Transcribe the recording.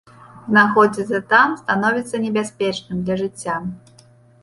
Знаходзіцца там становіцца небяспечным для жыцця.